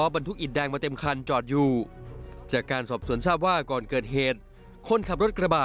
บรรทุกอิดแดงมาเต็มคันจอดอยู่จากการสอบสวนทราบว่าก่อนเกิดเหตุคนขับรถกระบะ